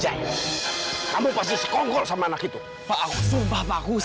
jangan berpikir pikir k realistic kau akan bebas